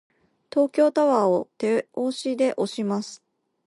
東京タワーを手押しで押します。